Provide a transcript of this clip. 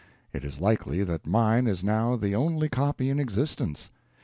It is likely that mine is now the only copy in existence.